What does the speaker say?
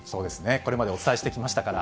これまでお伝えしてきましたから。